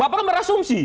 bapak kan berasumsi